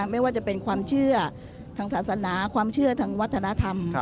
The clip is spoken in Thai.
ไม่ว่าจะเป็นความเชื่อทางศาสนาความเชื่อทางวัฒนธรรม